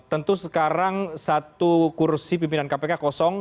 tentu sekarang satu kursi pimpinan kpk kosong